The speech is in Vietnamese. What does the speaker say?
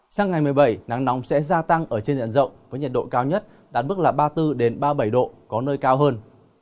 sang ngày một mươi bảy nắng nóng sẽ gia tăng ở trên diện rộng với nhiệt độ cao nhất đạt mức là ba mươi bốn ba mươi bảy độ có nơi cao hơn